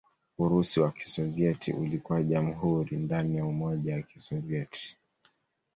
Urusi wa Kisovyeti ulikuwa jamhuri ndani ya Umoja wa Kisovyeti.